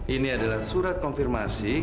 ini adalah surat konfirmasi